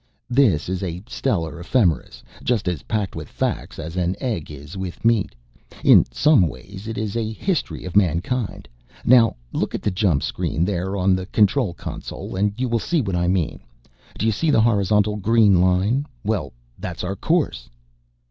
"This is a stellar ephemeris, just as packed with facts as an egg is with meat. In some ways it is a history of mankind. Now look at the jump screen there on the control console and you will see what I mean. Do you see the horizontal green line? Well, that's our course."